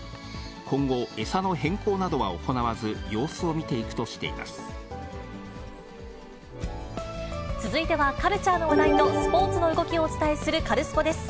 今後、餌の変更などは行わず、続いては、カルチャーの話題とスポーツの動きをお伝えするカルスポっ！です。